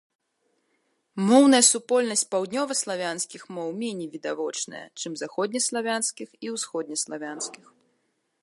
Моўная супольнасць паўднёваславянскіх моў меней відавочная, чым заходнеславянскіх і ўсходнеславянскіх.